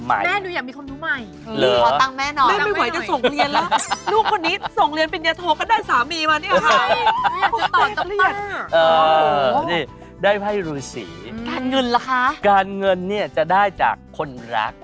แม่หนูอยากมีความรู้ใหม่ป่าตังแม่หน่อยให้หน่อย